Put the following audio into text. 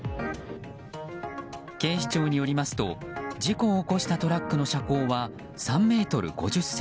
警視庁によりますと事故を起こしたトラックの車高は３ｍ５０ｃｍ。